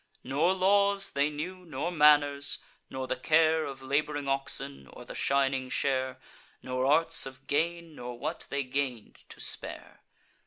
Nor laws they knew, nor manners, nor the care Of lab'ring oxen, or the shining share, Nor arts of gain, nor what they gain'd to spare.